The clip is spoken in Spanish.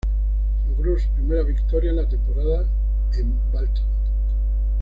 Logró su primera victoria en la temporada en Baltimore.